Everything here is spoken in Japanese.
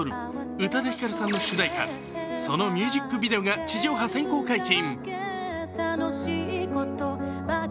宇多田ヒカルさんの主題歌、そのミュージックビデオが地上波先行解禁。